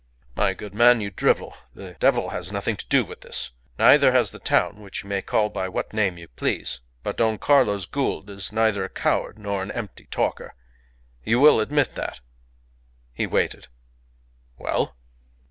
"My good man, you drivel. The devil has nothing to do with this. Neither has the town, which you may call by what name you please. But Don Carlos Gould is neither a coward nor an empty talker. You will admit that?" He waited. "Well?"